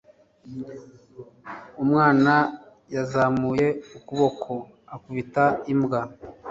umwana yazamuye ukuboko akubita imbwa